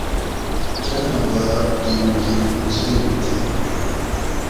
کاۤناۤ باۤ گِن گِن چین تھی